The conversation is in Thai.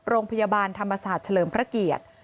โรงพยาบาลธรรมสาธิชลเชลมพรเกียจ